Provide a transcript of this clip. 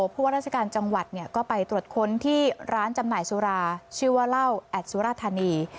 พวกราชการจังหวัดก็ไปตรวจค้นที่ร้านจำหน่ายสุราชื่อว่าเหล้าแอดสุราธานี